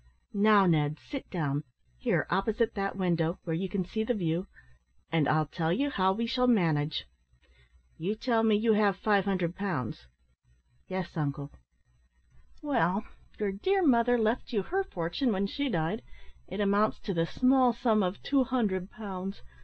"Now, Ned, sit down here, opposite that window, where you can see the view and I'll tell you how we shall manage. You tell me you have 500 pounds?" "Yes, uncle." "Well, your dear mother left you her fortune when she died it amounts to the small sum of 200 pounds.